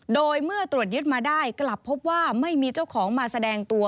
โดยเมื่อตรวจยึดมาได้กลับพบว่าไม่มีเจ้าของมาแสดงตัว